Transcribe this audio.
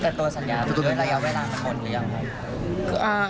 แต่ตัวสัญญาหรือระยะเวลาของคนหรือยัง